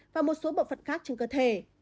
và một số bộ phận khác trên cơ thể